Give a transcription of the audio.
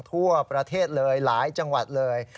ทั่วประเทศเลยหลายจังหวัดเลย